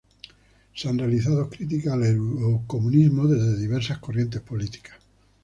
Se han realizado críticas al eurocomunismo desde diversas corrientes políticas.